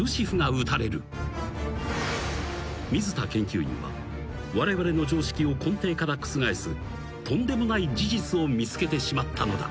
［水田研究員はわれわれの常識を根底から覆すとんでもない事実を見つけてしまったのだ］